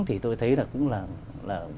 thì tôi thấy là cũng là